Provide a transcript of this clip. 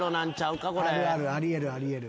あるあるあり得るあり得る。